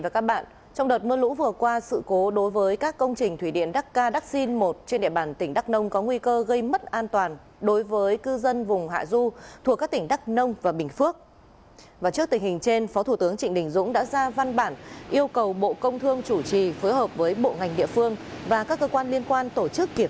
các bạn hãy đăng ký kênh để ủng hộ kênh của chúng mình nhé